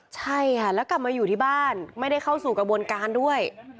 ใช่ค่ะแล้วกลับมาอยู่ที่บ้านไม่ได้เข้าสู่กระบวนการด้วย